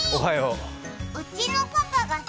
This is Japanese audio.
うちのパパがさ、